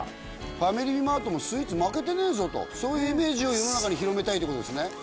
ファミリーマートもスイーツ負けてねえぞとそういうイメージを世の中に広めたいという事ですね。